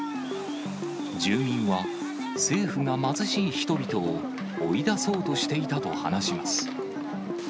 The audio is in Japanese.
住民は政府が貧しい人々を追い出そうとしていたと話します。